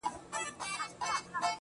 نور به وه ميني ته شعرونه ليكلو.